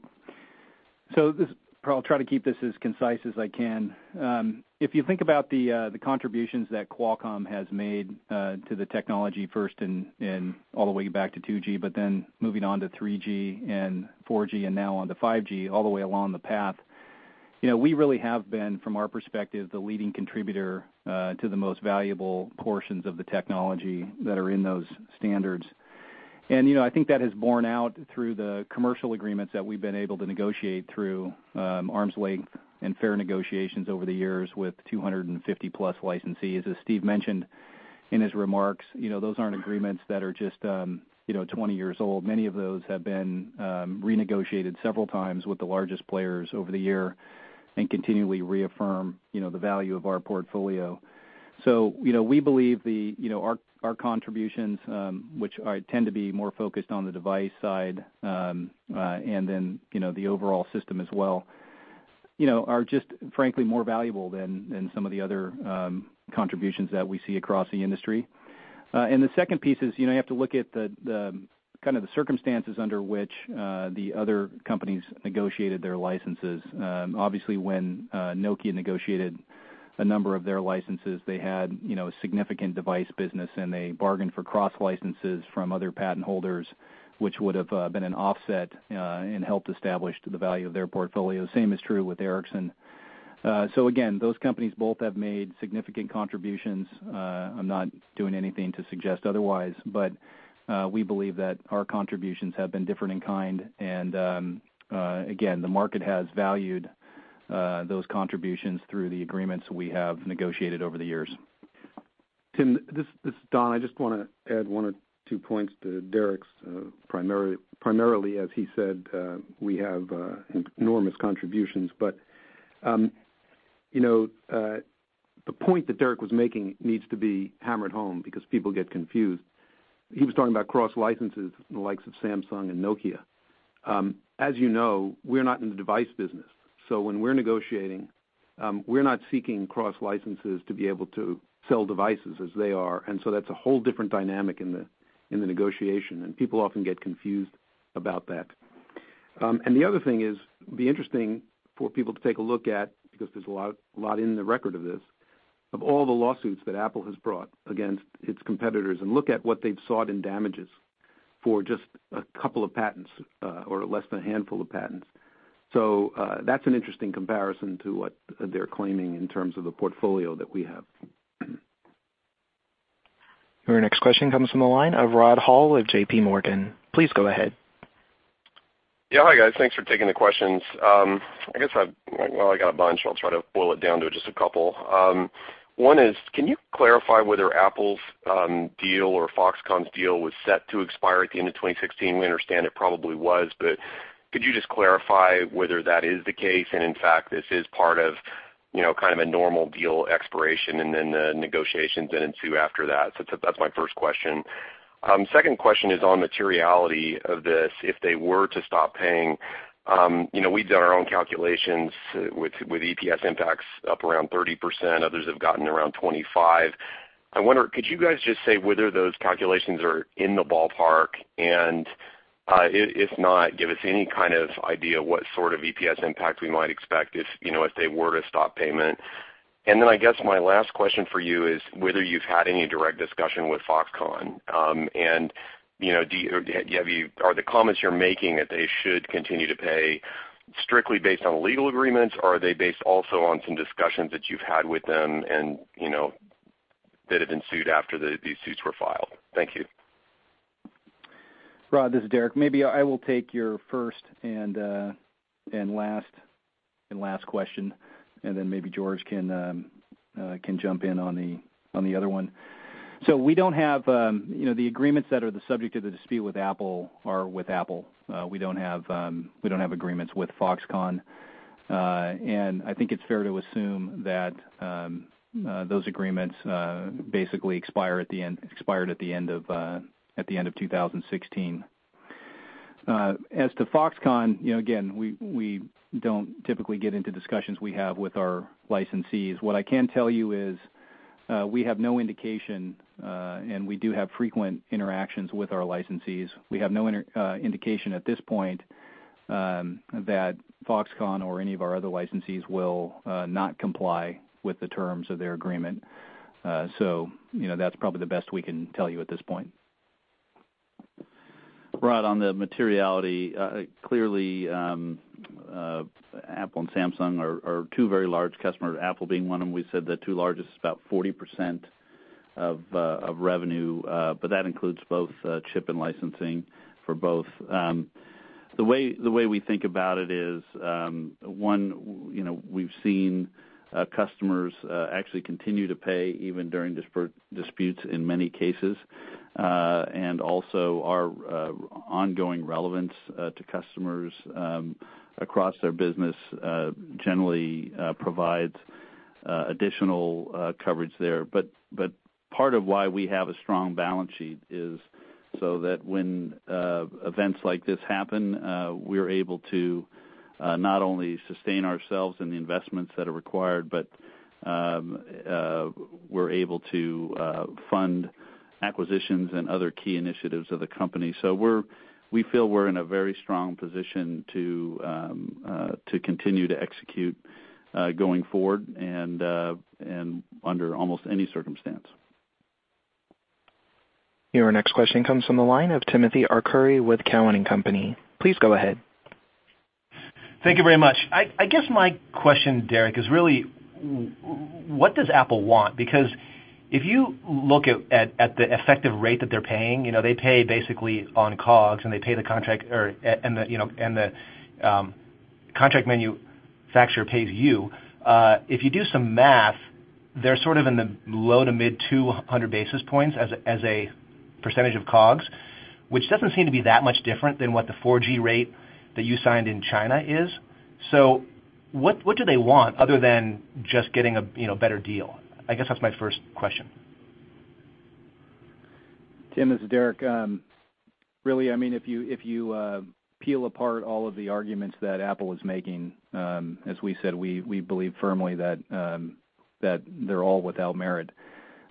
I'll try to keep this as concise as I can. If you think about the contributions that Qualcomm has made to the technology first and all the way back to 2G, moving on to 3G and 4G and now on to 5G, all the way along the path. We really have been, from our perspective, the leading contributor to the most valuable portions of the technology that are in those standards. I think that has borne out through the commercial agreements that we've been able to negotiate through arm's length and fair negotiations over the years with 250 plus licensees. As Steve mentioned in his remarks, those aren't agreements that are just 20 years old. Many of those have been renegotiated several times with the largest players over the year continually reaffirm the value of our portfolio. We believe our contributions, which tend to be more focused on the device side and then the overall system as well, are just frankly more valuable than some of the other contributions that we see across the industry. The second piece is, you have to look at the kind of the circumstances under which the other companies negotiated their licenses. Obviously, when Nokia negotiated a number of their licenses, they had a significant device business, and they bargained for cross licenses from other patent holders, which would have been an offset and helped establish the value of their portfolio. Same is true with Ericsson. Again, those companies both have made significant contributions. I am not doing anything to suggest otherwise, but we believe that our contributions have been different in kind, and again, the market has valued those contributions through the agreements we have negotiated over the years.
Tim, this is Don. I just want to add one or two points to Derek's. Primarily, as he said, we have enormous contributions. The point that Derek was making needs to be hammered home because people get confused. He was talking about cross licenses, the likes of Samsung and Nokia. As you know, we are not in the device business, so when we are negotiating, we are not seeking cross licenses to be able to sell devices as they are. That is a whole different dynamic in the negotiation, and people often get confused about that. The other thing is, it would be interesting for people to take a look at, because there is a lot in the record of this, of all the lawsuits that Apple has brought against its competitors and look at what they have sought in damages for just a couple of patents or less than a handful of patents. That is an interesting comparison to what they are claiming in terms of the portfolio that we have.
Our next question comes from the line of Rod Hall with JP Morgan. Please go ahead.
Hi, guys. Thanks for taking the questions. I guess, while I got a bunch, I'll try to boil it down to just a couple. One is, can you clarify whether Apple's deal or Foxconn's deal was set to expire at the end of 2016? We understand it probably was, but could you just clarify whether that is the case and, in fact, this is part of kind of a normal deal expiration and then the negotiations then ensue after that? That's my first question. Second question is on materiality of this. If they were to stop paying, we've done our own calculations with EPS impacts up around 30%. Others have gotten around 25%. I wonder, could you guys just say whether those calculations are in the ballpark? If not, give us any kind of idea what sort of EPS impact we might expect if they were to stop payment. I guess my last question for you is whether you've had any direct discussion with Foxconn. Are the comments you're making that they should continue to pay strictly based on legal agreements, or are they based also on some discussions that you've had with them and that have ensued after these suits were filed. Thank you.
Rod, this is Derek. Maybe I will take your first and last question, and then maybe George can jump in on the other one. We don't have the agreements that are the subject of the dispute with Apple are with Apple. We don't have agreements with Foxconn. I think it's fair to assume that those agreements basically expired at the end of 2016. As to Foxconn, again, we don't typically get into discussions we have with our licensees. What I can tell you is we have no indication, and we do have frequent interactions with our licensees. We have no indication at this point that Foxconn or any of our other licensees will not comply with the terms of their agreement. That's probably the best we can tell you at this point.
Rod, on the materiality, clearly, Apple and Samsung are two very large customers, Apple being one of them. We said the two largest is about 40% of revenue, but that includes both chip and licensing for both. The way we think about it is, one, we've seen customers actually continue to pay even during disputes in many cases. Also our ongoing relevance to customers across their business generally provides additional coverage there. Part of why we have a strong balance sheet is so that when events like this happen, we're able to not only sustain ourselves and the investments that are required, but we're able to fund acquisitions and other key initiatives of the company. We feel we're in a very strong position to continue to execute going forward and under almost any circumstance.
Your next question comes from the line of Timothy Arcuri with Cowen and Company. Please go ahead.
Thank you very much. I guess my question, Derek, is really, what does Apple want? Because if you look at the effective rate that they're paying, they pay basically on COGS, and the contract manufacturer pays you. If you do some math, they're sort of in the low to mid 200 basis points as a percentage of COGS, which doesn't seem to be that much different than what the 4G rate that you signed in China is. What do they want other than just getting a better deal? I guess that's my first question.
Tim, this is Derek. Really, if you peel apart all of the arguments that Apple is making, as we said, we believe firmly that they're all without merit.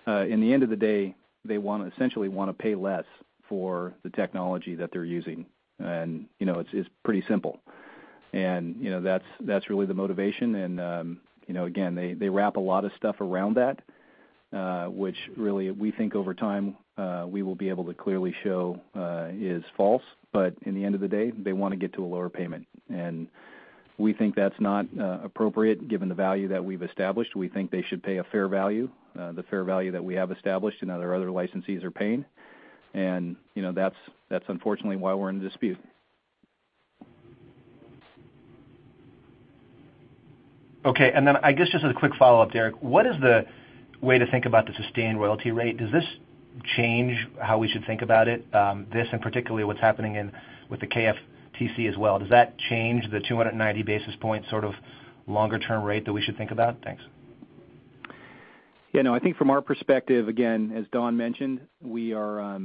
In the end of the day, they essentially want to pay less for the technology that they're using, and it's pretty simple. That's really the motivation and again, they wrap a lot of stuff around that, which really we think over time, we will be able to clearly show is false, but in the end of the day, they want to get to a lower payment. We think that's not appropriate given the value that we've established. We think they should pay a fair value, the fair value that we have established and that our other licensees are paying. That's unfortunately why we're in a dispute.
Okay. Then I guess just as a quick follow-up, Derek, what is the way to think about the sustained royalty rate? Does this change how we should think about it, this and particularly what's happening with the KFTC as well? Does that change the 290 basis point sort of longer-term rate that we should think about? Thanks.
Yeah, no, I think from our perspective, again, as Don mentioned, we are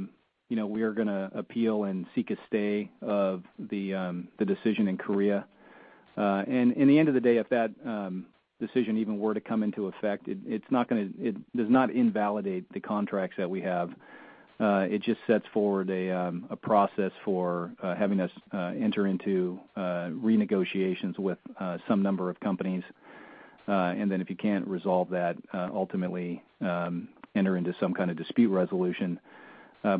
going to appeal and seek a stay of the decision in Korea. In the end of the day, if that decision even were to come into effect, it does not invalidate the contracts that we have. It just sets forward a process for having us enter into renegotiations with some number of companies. Then if you can't resolve that, ultimately enter into some kind of dispute resolution.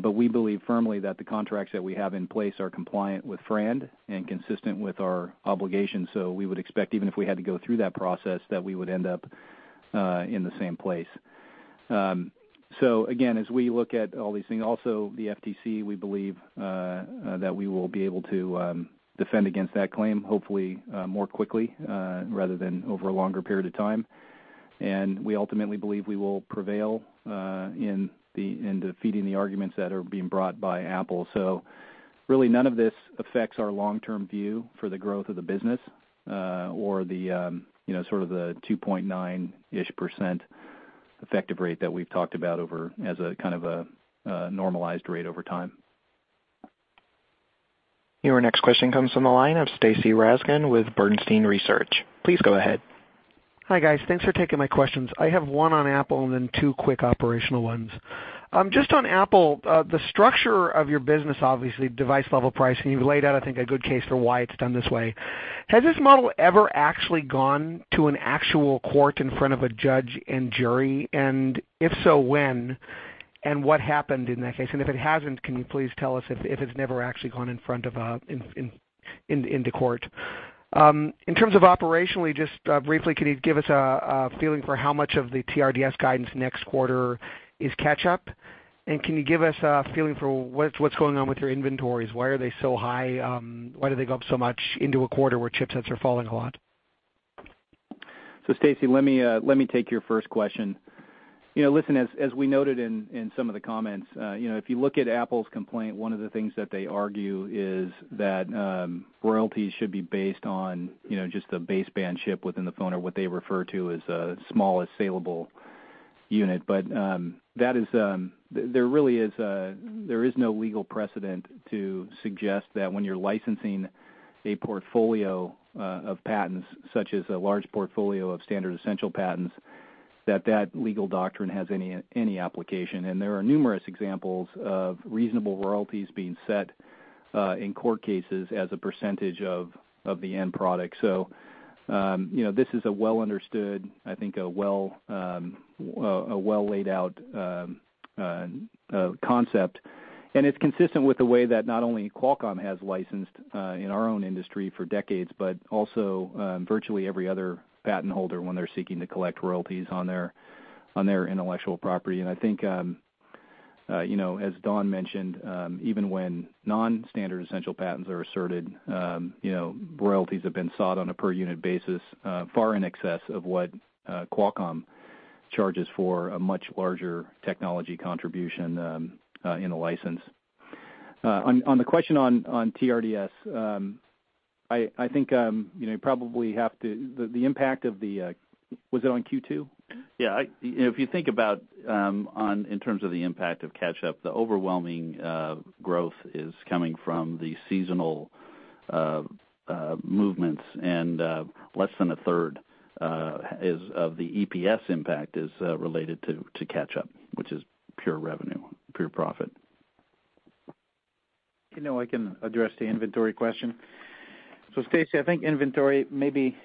We believe firmly that the contracts that we have in place are compliant with FRAND and consistent with our obligations. We would expect, even if we had to go through that process, that we would end up in the same place. Again, as we look at all these things, also the FTC, we believe that we will be able to defend against that claim hopefully more quickly rather than over a longer period of time. We ultimately believe we will prevail in defeating the arguments that are being brought by Apple. Really none of this affects our long-term view for the growth of the business, or the sort of the 2.9-ish% effective rate that we've talked about as a kind of a normalized rate over time.
Your next question comes from the line of Stacy Rasgon with Bernstein Research. Please go ahead.
Hi guys. Thanks for taking my questions. I have one on Apple and then two quick operational ones. Just on Apple, the structure of your business, obviously, device-level pricing, you've laid out, I think, a good case for why it's done this way. Has this model ever actually gone to an actual court in front of a judge and jury? If so, when? What happened in that case? If it hasn't, can you please tell us if it's never actually gone in front of a court. In terms of operationally, just briefly, can you give us a feeling for how much of the TRDS guidance next quarter is catch-up? Can you give us a feeling for what's going on with your inventories? Why are they so high? Why do they go up so much into a quarter where chipsets are falling a lot?
Stacy, let me take your first question. Listen, as we noted in some of the comments, if you look at Apple's complaint, one of the things that they argue is that royalties should be based on just the baseband chip within the phone or what they refer to as the smallest saleable unit. There really is no legal precedent to suggest that when you're licensing a portfolio of patents, such as a large portfolio of standard essential patents, that that legal doctrine has any application. There are numerous examples of reasonable royalties being set in court cases as a percentage of the end product. This is a well understood, I think a well laid out concept. It's consistent with the way that not only Qualcomm has licensed in our own industry for decades, but also virtually every other patent holder when they're seeking to collect royalties on their intellectual property. I think, as Don mentioned, even when non-standard essential patents are asserted, royalties have been sought on a per unit basis far in excess of what Qualcomm charges for a much larger technology contribution in a license. On the question on TRDS, was it on Q2?
Yeah. If you think about in terms of the impact of catch-up, the overwhelming growth is coming from the seasonal movements, and less than a third of the EPS impact is related to catch-up, which is pure revenue, pure profit.
I can address the inventory question. Stacy, I think inventory, maybe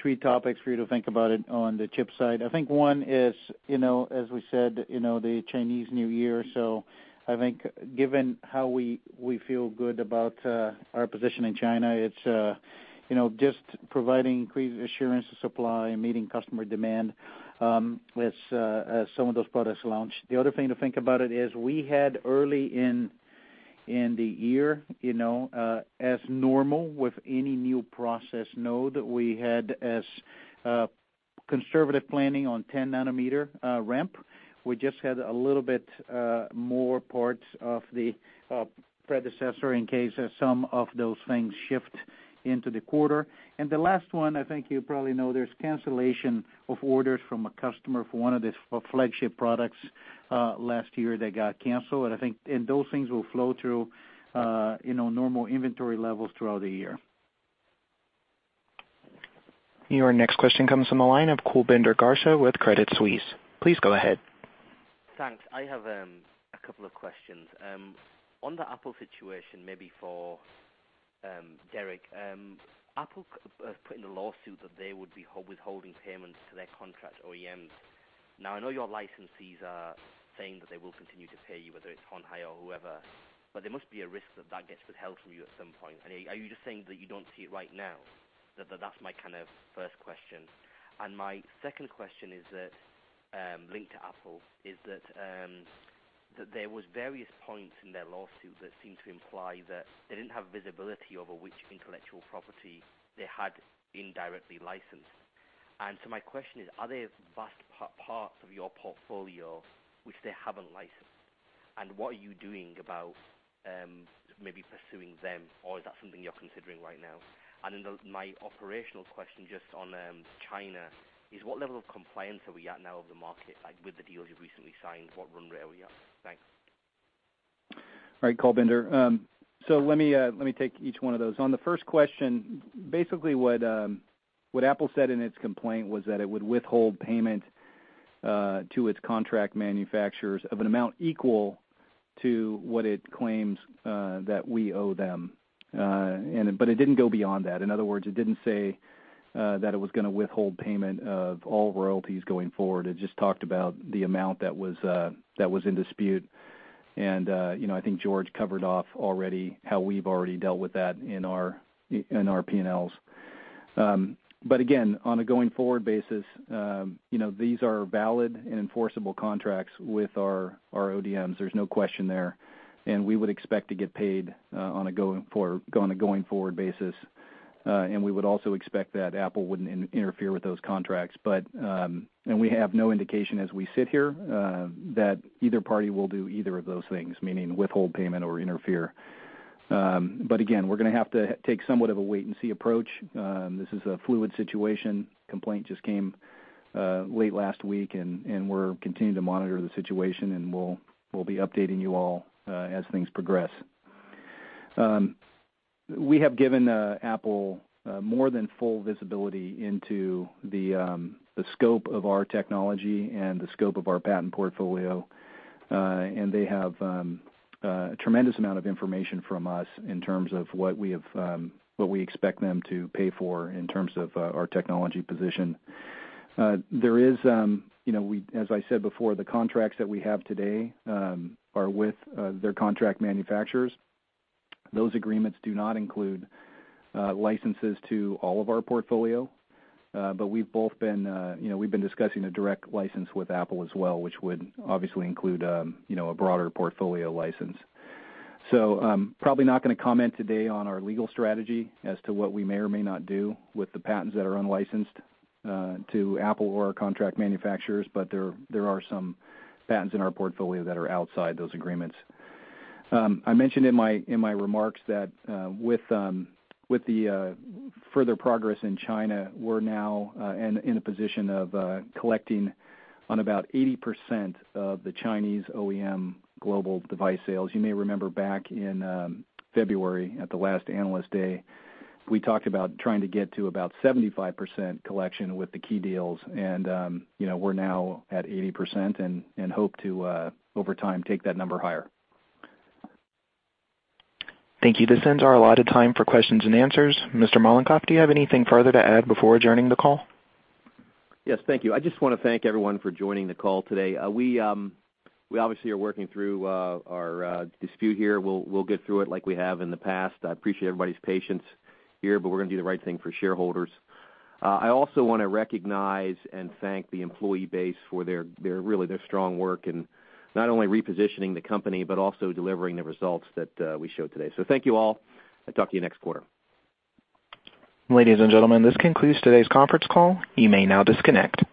three topics for you to think about it on the chip side. I think one is, as we said, the Chinese New Year. I think given how we feel good about our position in China, it's just providing increased assurance of supply and meeting customer demand as some of those products launch. The other thing to think about it is we had early in the year, as normal with any new process node, we had as conservative planning on 10 nanometer ramp. We just had a little bit more parts of the predecessor in case some of those things shift into the quarter. The last one, I think you probably know, there's cancellation of orders from a customer for one of the flagship products last year that got canceled. I think those things will flow through normal inventory levels throughout the year.
Your next question comes from the line of Kulbinder Garcha with Credit Suisse. Please go ahead.
Thanks. I have a couple of questions. On the Apple situation, maybe for Derek, Apple put in a lawsuit that they would be withholding payments to their contract OEMs. Now, I know your licensees are saying that they will continue to pay you, whether it's Hon Hai or whoever, but there must be a risk that that gets withheld from you at some point. Are you just saying that you don't see it right now? That's my kind of first question. My second question is that, linked to Apple, is that there was various points in their lawsuit that seemed to imply that they didn't have visibility over which intellectual property they had indirectly licensed. My question is, are there vast parts of your portfolio which they haven't licensed? What are you doing about maybe pursuing them, or is that something you're considering right now? My operational question just on China is what level of compliance are we at now of the market, like with the deals you've recently signed, what run rate are we at? Thanks.
All right, Kulbinder. Let me take each one of those. On the first question, basically what Apple said in its complaint was that it would withhold payment to its contract manufacturers of an amount equal to what it claims that we owe them. It didn't go beyond that. In other words, it didn't say that it was going to withhold payment of all royalties going forward. It just talked about the amount that was in dispute. I think George covered off already how we've already dealt with that in our P&Ls. Again, on a going forward basis, these are valid and enforceable contracts with our ODMs. There's no question there. We would expect to get paid on a going forward basis. We would also expect that Apple wouldn't interfere with those contracts. We have no indication as we sit here that either party will do either of those things, meaning withhold payment or interfere. Again, we're going to have to take somewhat of a wait-and-see approach. This is a fluid situation. Complaint just came late last week, and we're continuing to monitor the situation, and we'll be updating you all as things progress. We have given Apple more than full visibility into the scope of our technology and the scope of our patent portfolio. They have a tremendous amount of information from us in terms of what we expect them to pay for in terms of our technology position. As I said before, the contracts that we have today are with their contract manufacturers. Those agreements do not include licenses to all of our portfolio. We've been discussing a direct license with Apple as well, which would obviously include a broader portfolio license. Probably not going to comment today on our legal strategy as to what we may or may not do with the patents that are unlicensed to Apple or our contract manufacturers, but there are some patents in our portfolio that are outside those agreements. I mentioned in my remarks that with the further progress in China, we're now in a position of collecting on about 80% of the Chinese OEM global device sales. You may remember back in February at the last Analyst Day, we talked about trying to get to about 75% collection with the key deals, and we're now at 80% and hope to, over time, take that number higher.
Thank you. This ends our allotted time for questions and answers. Mr. Mollenkopf, do you have anything further to add before adjourning the call?
Yes. Thank you. I just want to thank everyone for joining the call today. We obviously are working through our dispute here. We'll get through it like we have in the past. I appreciate everybody's patience here, we're going to do the right thing for shareholders. I also want to recognize and thank the employee base for really their strong work in not only repositioning the company, but also delivering the results that we showed today. Thank you all, and talk to you next quarter.
Ladies and gentlemen, this concludes today's conference call. You may now disconnect.